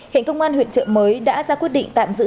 hệnh công an huyện chợ mới đã ra quyết định tạm giữ